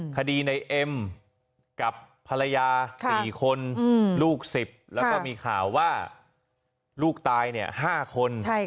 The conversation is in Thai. คดีในเอ็มกับภรรยา๔คนลูก๑๐แล้วก็มีข่าวว่าลูกตาย๕คน